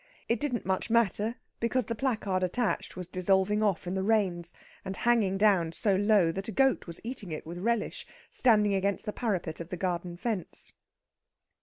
It didn't much matter, because the placard attached was dissolving off in the rains, and hanging down so low that a goat was eating it with relish, standing against the parapet of the garden fence.